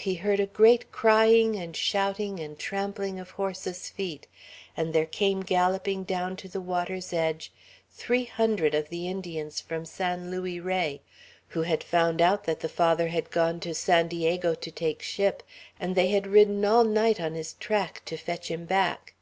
he heard a great crying, and shouting, and trampling of horses' feet, and there came galloping down to the water's edge three hundred of the Indians from San Luis Rey, who had found out that the Father had gone to San Diego to take ship, and they had ridden all night on his track, to fetch him back.